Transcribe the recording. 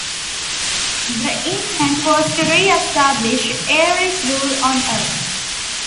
The intent was to re-establish Ares' rule on earth.